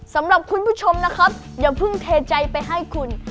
สำหรับคุณผู้ชมนะครับอย่าเพิ่งเทใจไปให้คุณ